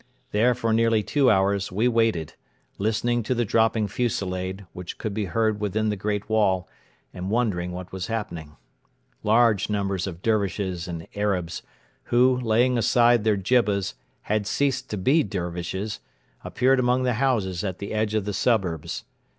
There for nearly two hours we waited, listening to the dropping fusillade which could be heard within the great wall and wondering what was happening. Large numbers of Dervishes and Arabs, who, laying aside their jibbas, had ceased to be Dervishes, appeared among the houses at the edge of the suburbs.